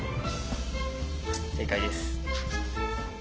正解です。